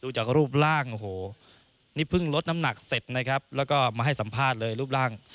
จากรูปร่างโอ้โหนี่เพิ่งลดน้ำหนักเสร็จนะครับแล้วก็มาให้สัมภาษณ์เลยรูปร่าง